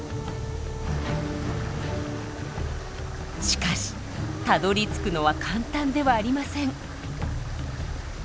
しかしたどりつくのは簡単ではありません。